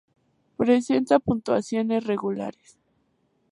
Presenta puntuaciones regulares.